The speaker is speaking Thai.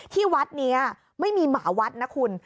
ที่วัดนี้ไม่มีหมาวัดนะคุณ